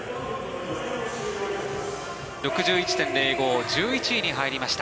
６１．０５１１位に入りました。